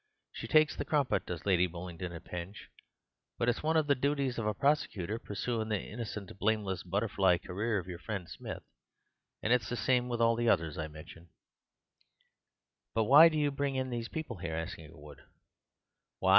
She takes the crumpet, does Lady Bullingdon at Penge. But it's one of the duties of a prosecutor pursuin' the innocent, blameless butterfly career of your friend Smith, and it's the sime with all the others I mentioned." "But why do you bring in these people here?" asked Inglewood. "Why!